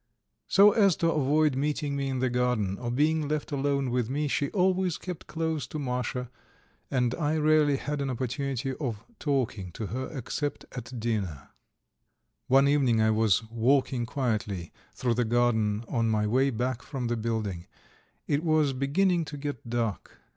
So as to avoid meeting me in the garden, or being left alone with me, she always kept close to Masha, and I rarely had an opportunity of talking to her except at dinner. One evening I was walking quietly through the garden on my way back from the building. It was beginning to get dark.